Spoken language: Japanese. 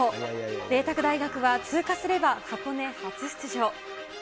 麗澤大学は通過すれば箱根初出場。